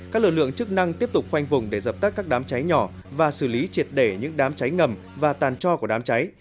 các lực lượng chức năng tiếp tục khoanh vùng để dập tắt các đám cháy nhỏ và xử lý triệt để những đám cháy ngầm và tàn cho của đám cháy